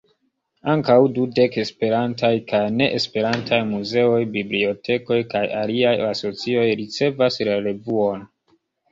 Ankaŭ dudek Esperantaj kaj ne-Esperantaj muzeoj, bibliotekoj kaj aliaj asocioj ricevas la revuon.